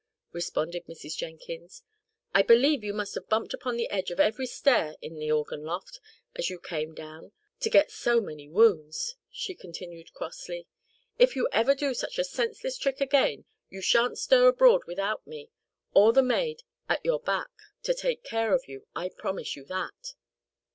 responded Mrs. Jenkins. "I believe you must have bumped upon the edge of every stair in the organ loft, as you came down, to get so many wounds!" she continued crossly. "If you ever do such a senseless trick again, you shan't stir abroad without me or the maid at your back, to take care of you; I promise you that!"